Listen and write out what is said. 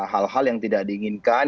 hal hal yang tidak diinginkan